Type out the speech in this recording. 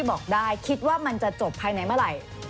บอกได้คิดว่ามันจะจบภายในเมื่อไหร่